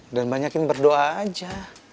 dan banyakin berdoa aja